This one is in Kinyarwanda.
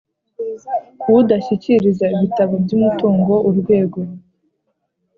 Udashyikiriza ibitabo by umutungo urwego